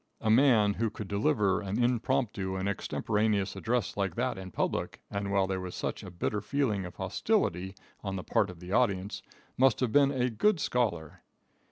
A man who could deliver an impromptu and extemporaneous address like that in public, and while there was such a bitter feeling of hostility on the part of the audience, must have been a good scholar.